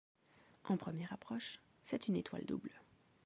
En première approche, c'est une étoile double.